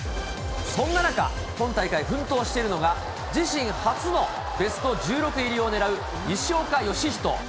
そんな中、今大会奮闘しているのが、自身初のベスト１６入りを狙う西岡良仁。